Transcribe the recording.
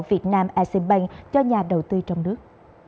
việt nam exim bank cho nhà đầu tư trong nước